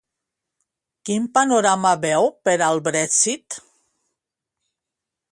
Quin panorama veu per al Brexit?